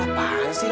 apaan sih lan